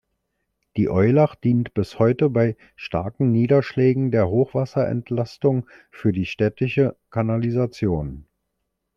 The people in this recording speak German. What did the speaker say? Die Eulach dient bis heute bei starken Niederschlägen der Hochwasserentlastung für die städtische Kanalisation.